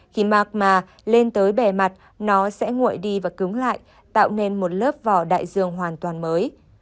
khi mark mà lên tới bề mặt nó sẽ nguội đi và cứng lại tạo nên một lớp vỏ đại dương hoàn toàn mới